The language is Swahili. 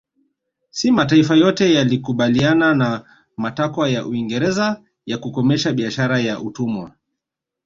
Si mataifa yote yalikubaliana na matakwa ya Uingereza ya kukomesha biashara ya utumwa